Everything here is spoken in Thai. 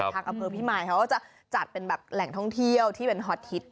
เพราะพี่หมายเขาก็จะจัดเป็นแหล่งท่องเที่ยวที่เป็นฮอตฮิต